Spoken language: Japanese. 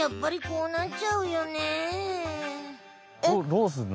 どうすんの？